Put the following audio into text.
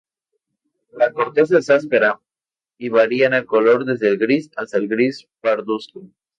La corteza es áspera y varía en color desde el gris hasta el gris-pardusco.